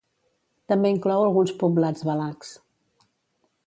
També inclou alguns poblats valacs.